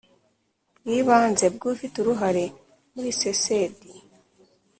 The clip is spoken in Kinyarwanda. Bw ibanze bw ufite uruhare muri csd